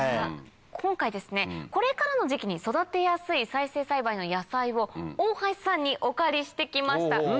今回これからの時期に育てやすい再生栽培の野菜を大橋さんにお借りして来ました。